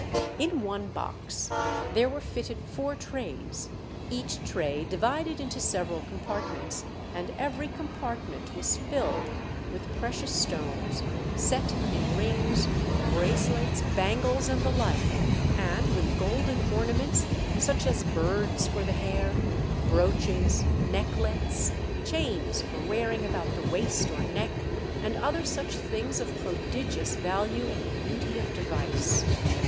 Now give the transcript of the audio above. In one box there were fitted four trays, each tray divided into several compartments, and every compartment v/as filled with VANDERDECKEN EXHIBITS SOME TREASURE. I 83 precious stones, set in rings, bracelets, bangles and the like, and with golden orna ments, such as birds for the hair, brooches, necklets, chains for wearing about the waist or neck, and other such things of prodigious value and beauty of device.